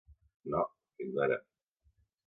No, fins ara.